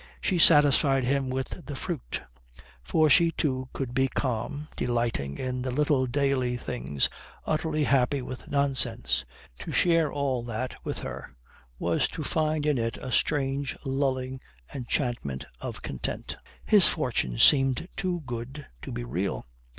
She satisfied him with the fruit. For she too could be calm, delighting in the little daily things, utterly happy with nonsense. To share all that with her was to find in it a strange, lulling enchantment of content. His fortune seemed too good to be real.